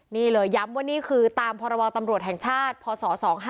นี่เลยย้ำว่านี่คือตามพรบตำรวจแห่งชาติพศ๒๕๖